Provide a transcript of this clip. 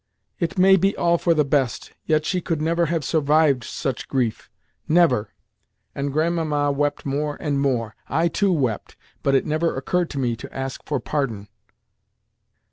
It may be all for the best, yet she could never have survived such grief—never!" and Grandmamma wept more and more. I too wept, but it never occurred to me to ask for pardon.